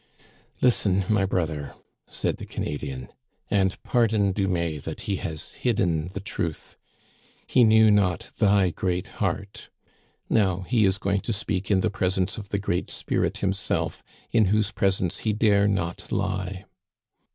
Listen, my brother," said the Canadian, "and par don Dumais that he has hidden the truth. He knew not thy great heart. Now he is going to speak in the presence of the Great Spirit himself, in whose presence he dare not lie."